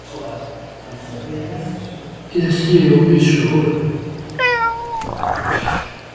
E así é O Viso agora.